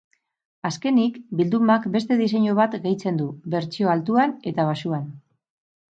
Azkenik, bildumak beste diseinu bat gehitzen du, bertsio altuan eta baxuan.